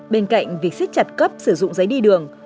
bên cạnh việc xiết chặt cấp sử dụng giấy đi đường